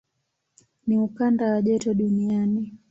Ni ukanda wa joto duniani.